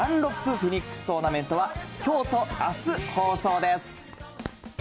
フェニックストーナメントはきょうとあす、放送です。